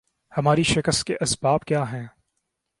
ہماری شکست کے اسباب کیا ہیں